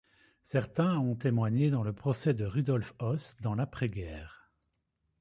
Certains ont témoigné dans le procès de Rudolf Höss dans l'après-guerre.